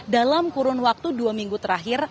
dalam kurun waktu dua minggu terakhir